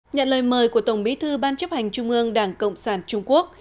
nhận lời mời của tổng bí thư ban chấp hành trung ương đảng cộng sản trung quốc